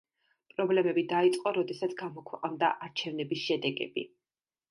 პრობლემები დაიწყო, როდესაც გამოქვეყნდა არჩევნების შედეგები.